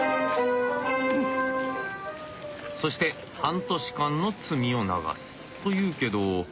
そして半年間の罪を流すというけど。